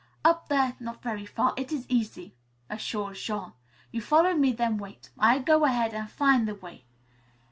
"Up there, not very far, it is easy," assured Jean. "You follow me, then wait. I go ahead an' fin' the way."